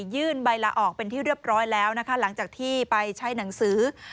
ใบละออกเป็นที่เรียบร้อยแล้วนะคะหลังจากที่ไปใช้หนังสือ